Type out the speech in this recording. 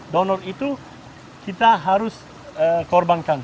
donor itu kita harus korbankan